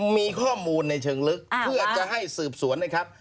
มีข้อมูลในเชิงลึกเพื่อจะให้สืบสวนนะครับ